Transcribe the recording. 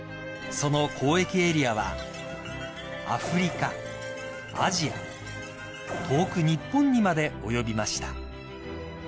［その交易エリアはアフリカアジア遠く日本にまで及びました］